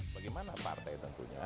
bagaimana partai tentunya